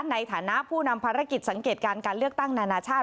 ในฐานะผู้นำภารกิจสังเกตการการเลือกตั้งนานาชาติ